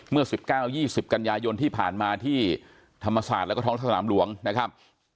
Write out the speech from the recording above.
เมื่อ๑๙๒๐กันยายนที่ผ่านมาที่ธรรมศาสตร์แล้วก็ท้องสนามหลวงนะครับ